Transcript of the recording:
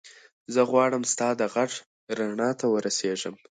زه غواړم ستا د غږ رڼا ته ورسېږم.